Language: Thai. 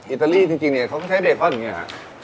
อิตาลีจริงเขาใช้เบคอนอย่างนี้